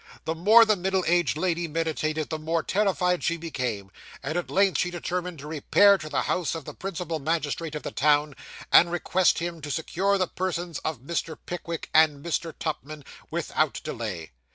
The more the middle aged lady meditated, the more terrified she became; and at length she determined to repair to the house of the principal magistrate of the town, and request him to secure the persons of Mr. Pickwick and Mr. Tupman without delay.